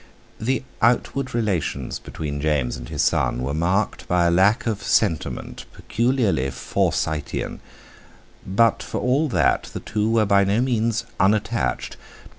The outward relations between James and his son were marked by a lack of sentiment peculiarly Forsytean, but for all that the two were by no means unattached.